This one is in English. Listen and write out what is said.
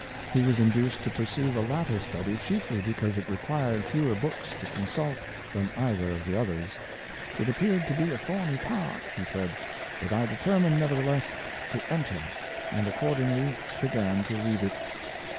He was induced to pursue the latter study chiefly because it required fewer books to con sult than either of the others. " It appeared to be a thorny path," he said, '' but I determined, nevertheless, to enter, and accordingly began to read it."